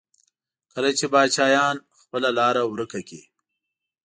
کله چې پاچاهان خپله لاره ورکه کړي.